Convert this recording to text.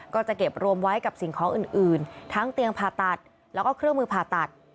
ก็จะเก็บรวมไว้กับสิ่งของอื่นทั้งเตียงผ่าตัดแล้วก็เครื่องมือผ่าตัด